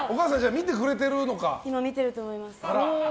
見てると思います。